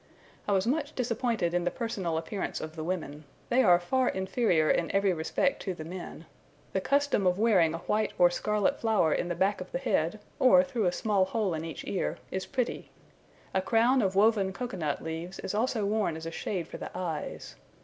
I was much disappointed in the personal appearance of the women: they are far inferior in every respect to the men. The custom of wearing a white or scarlet flower in the back of the head, or through a small hole in each ear, is pretty. A crown of woven cocoa nut leaves is also worn as a shade for the eyes.